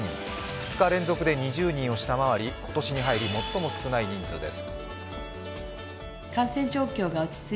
２日連続で２０人を下回り、今年に入り最も少ない人数です。